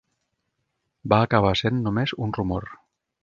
Va acabar sent només un rumor.